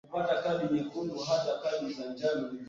Mapele ya ngozi na ukurutu ni magonjwa ya ngozi kwa ngombe